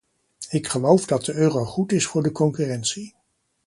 Ik geloof dat de euro goed is voor de concurrentie.